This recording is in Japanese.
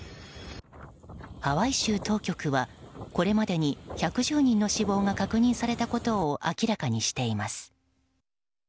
ハワイ州当局はこれまでに１１０人の死亡が確認されたことを明らかにしています。